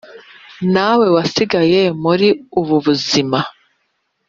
na we wasigaye muri ubu buzima